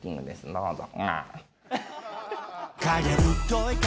どうぞ。